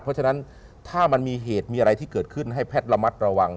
เพราะฉะนั้นถ้ามันมีเหตุมีอะไรที่เกิดขึ้นให้แพทย์ระมัดระวัง